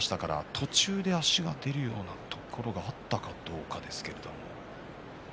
途中、足が出るようなところがあったかどうか。